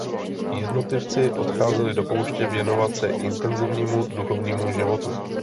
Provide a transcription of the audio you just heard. Jednotlivci odcházeli do pouště věnovat se intenzivnímu duchovnímu životu.